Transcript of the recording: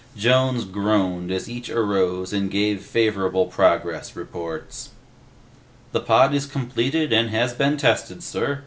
Jones groaned as each arose and gave favorable progress reports. "The pod is completed and has been tested, sir.